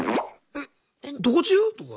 「えっどこ中？」とか？